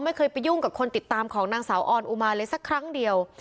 ไม่เคยไปยุ่งกับคนติดตามของนางสาวออนอุมาเลยสักครั้งเดียว